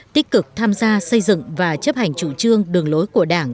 tích cực tham gia xây dựng và chấp hành chủ trương đường lối của đảng